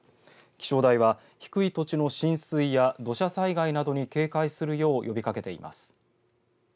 気象台は低い土地の浸水や土砂災害などに警戒するよう呼びかけています。